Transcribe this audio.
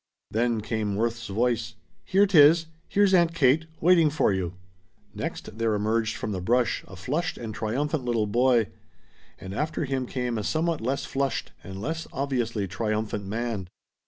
Then came Worth's voice: "Here 'tis! Here's Aunt Kate waiting for you!" Next there emerged from the brush a flushed and triumphant little boy, and after him came a somewhat less flushed and less obviously triumphant man.